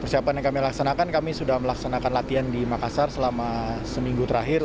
persiapan yang kami laksanakan kami sudah melaksanakan latihan di makassar selama seminggu terakhir